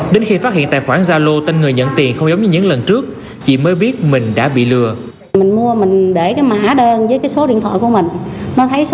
đến khi phát hiện tài khoản zalo tên người nhận tiền không giống như những lần trước chị mới biết mình đã bị lừa